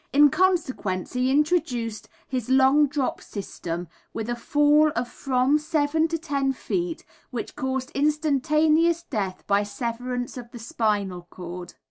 In consequence he introduced his long drop system with a fall of from seven to ten feet, which caused instantaneous death by severance of the spinal cord.